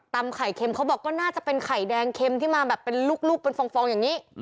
ไข่เค็มเขาบอกก็น่าจะเป็นไข่แดงเข็มที่มาแบบเป็นลูกเป็นฟองอย่างนี้